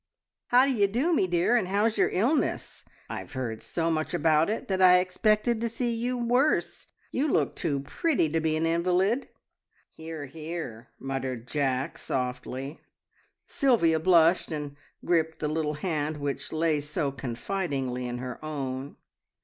"How d'ye do, me dear, and how's your illness? I've heard so much about it that I expected to see you worse. You look too pretty to be an invalid!" "Hear, hear!" muttered Jack softly. Sylvia blushed and gripped the little hand which lay so confidingly in her own.